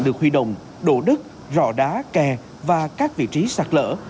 được huy động đổ đứt rọ đá kè và các vị trí sạt lở